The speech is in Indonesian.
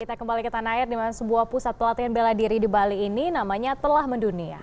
kita kembali ke tanah air di mana sebuah pusat pelatihan bela diri di bali ini namanya telah mendunia